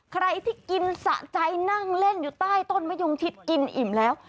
ใครที่กินสะใจนั่งเล่นอยู่ใต้ต้นมะยงทิศกินอิ่มแล้ว